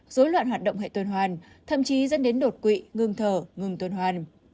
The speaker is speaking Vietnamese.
dối loạn hoạt động hệ tuần hoàn thậm chí dẫn đến đột quỵ ngừng thở ngừng tuần hoàn